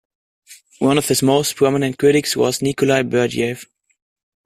One of his most prominent critics was Nikolai Berdyaev.